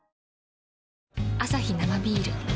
アサヒ生ビール